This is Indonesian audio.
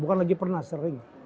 bukan lagi pernah sering